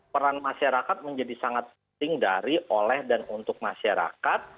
peran masyarakat menjadi sangat penting dari oleh dan untuk masyarakat